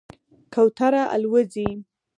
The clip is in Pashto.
کوتره الوځي.